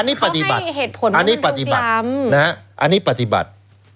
อันนี้ปฏิบัติอันนี้ปฏิบัติธรรมนะฮะอันนี้ปฏิบัติ